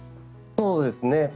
そうですね。